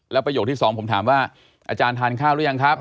ประโยคที่สองผมถามว่าอาจารย์ทานข้าวหรือยังครับ